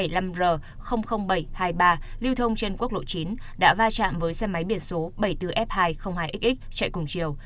trong ngày một mươi một tháng sáu năm hai nghìn hai mươi ba lưu thông trên quốc lộ chín đã va chạm với xe máy biển số bảy mươi bốn f hai trăm linh hai xx chạy cùng chiều